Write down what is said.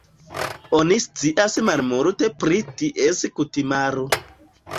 Oni scias malmulte pri ties kutimaro.